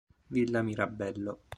Villa Mirabello